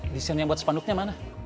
desain yang buat sepanduknya mana